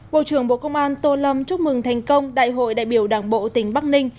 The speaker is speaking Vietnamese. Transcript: bộ trưởng bộ công an tô lâm chúc mừng thành công đại hội đại biểu đảng bộ tỉnh bắc ninh